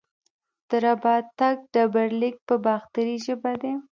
د رباتک ډبرلیک په باختري ژبه دی